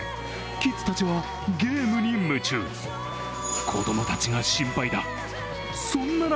キッズたちは、ゲームに夢中。